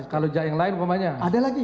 kalau yang lain apa makanya ada lagi